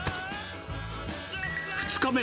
２日目。